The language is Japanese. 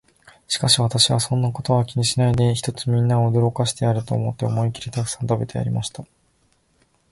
しかし私は、そんなことは気にしないで、ひとつみんなを驚かしてやれと思って、思いきりたくさん食べてやりました。